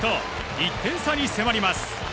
１点差に迫ります。